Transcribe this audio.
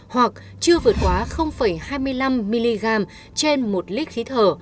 hoặc chưa vượt quá hai mươi năm mg trên một lít khí thở